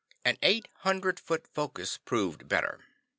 An eight hundred foot focus proved better.